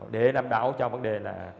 để làm đảo cho vấn đề là